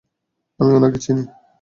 আমি উনাকে চিনি।